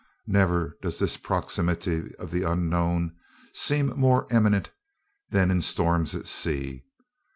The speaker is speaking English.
Never does this proximity of the unknown seem more imminent than in storms at sea.